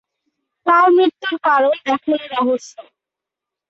তার মৃত্যুর কারণ এখনও রহস্য।